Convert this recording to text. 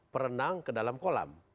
perenang ke dalam kolam